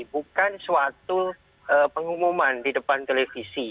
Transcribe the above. bukan suatu pengumuman di depan televisi